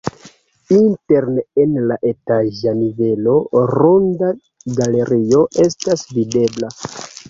Interne en la etaĝa nivelo ronda galerio estas videbla.